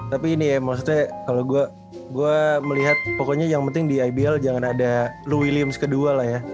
tapi ini ya maksudnya kalau gue melihat pokoknya yang penting di ibl jangan ada lo williams kedua lah ya